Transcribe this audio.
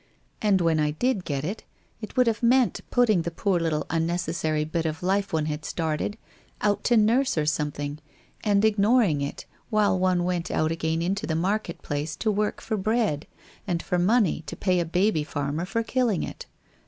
And when I did get it, it would have meant putting the poor little unnecessary bit of life one had started, out to nurse or something, and ignoring it while one went out again into the market place to work for bread, and for money to pay a baby fanner for killing it!